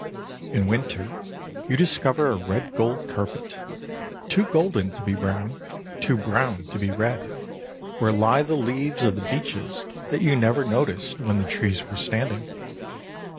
In winter you discover a red gold carpet—too golden to be brown, too brown to be red—where lie the leaves of the beeches that you never noticed when the trees were standing.